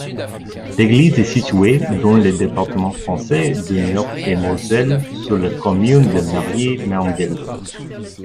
L'église est située dans le département français de Meurthe-et-Moselle, sur la commune de Mairy-Mainville.